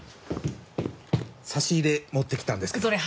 差し入れ持ってきたんですけど。